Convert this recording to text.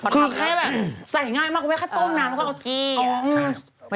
คือแค่แบบใส่ง่ายมากกว่าแค่ต้มน้ำแล้วก็เอาต้อง